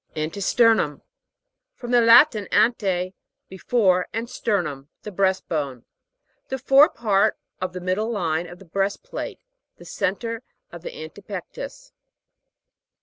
ANTESTER'NUM. From the Latin, ante, before, and sternum, the breast bone. The fore part of the middle line of the breast plate; the centre of the antepectus.